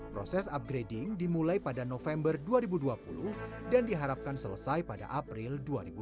proses upgrading dimulai pada november dua ribu dua puluh dan diharapkan selesai pada april dua ribu dua puluh